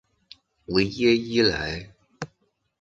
维耶伊莱。